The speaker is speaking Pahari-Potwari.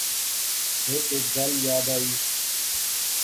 ہیک ہیک گل یاد آئی